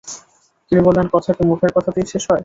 তিনি বললেন, কথা কি মুখের কথাতেই শেষ হয়?